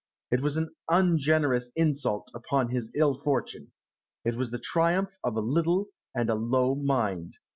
It was an ungenerous insult upon his ill fortune. It was the triumph of a little and a low mind.